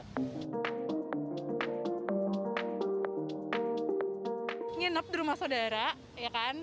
nginep di rumah saudara ya kan